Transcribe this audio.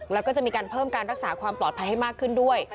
แล้วก็จะมีการเพิ่มการรักษาความปลอดภัยให้มากขึ้นด้วย